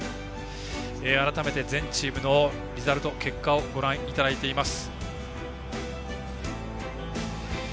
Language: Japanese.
改めて、全チームの結果をご覧いただいています。